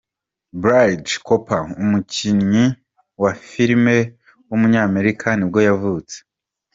Bradley Cooper, umukinnyi wa filime w’umunyamerika nibwo yavutse.